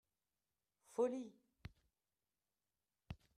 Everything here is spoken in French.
Follie.